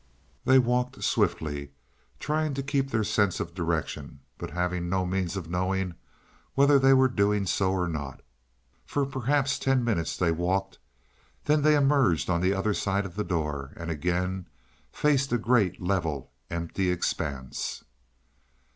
They walked swiftly, trying to keep their sense of direction, but having no means of knowing whether they were doing so or not. For perhaps ten minutes they walked; then they emerged on the other side of the door and again faced a great level, empty expanse.